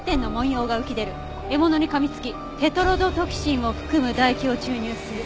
「獲物に噛みつきテトロドトキシンを含む唾液を注入する」